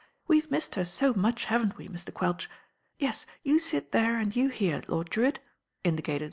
We vc missed her so much, haven't we, Mr. Quelch. Yes. you sit there and you here. Lord Drewitt."